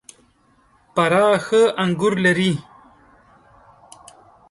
فراه ښه انګور لري .